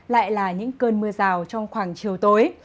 lại là những cơn mưa rào trong khoảng chiều tối